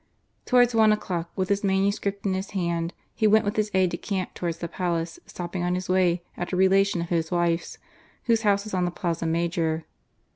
Towards one o'clock, with his manuscript in his hand, he went with his aide de camp towards the Palace, stopping on his way at a relation of his THE ASSASSINATION. 299 wife's, whose house was on the Plaza Major.